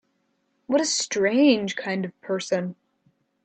What a strange kind of person!